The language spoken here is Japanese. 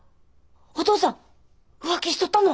お父さん浮気しとったの？